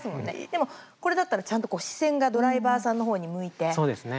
でもこれだったらちゃんと視線がドライバーさんのほうに向いて。